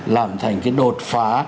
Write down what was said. làm thành cái đột phá